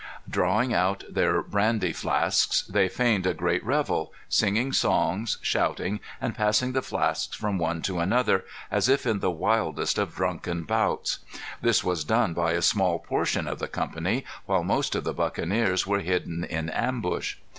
Drawing out their brandy flasks, they feigned a great revel, singing songs, shouting, and passing the flasks from one to another, as if in the wildest of drunken bouts. This was done by a small portion of the company, while most of the buccaneers were hidden in ambush.